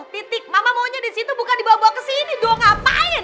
titik mama maunya di situ bukan dibawa bawa ke sini gue ngapain